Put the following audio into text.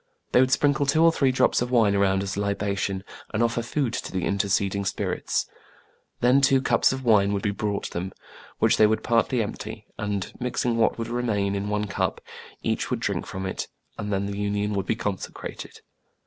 They would sprinkle two or three drops of wine around as a libation, and offer food to the interceding spirits. Then two cups of wine would be brought them, which they would partly empty ; and, mixing what would remain in one cup, each would drink from it, and then the union would be consecrated.